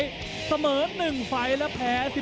และในมุมแดงที่จะรอสุด